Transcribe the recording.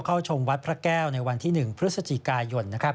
เข้าชมวัดพระแก้วในวันที่๑พฤศจิกายน